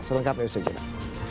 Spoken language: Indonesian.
seringkapnya usai jeda